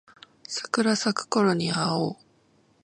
桜咲くころに会おう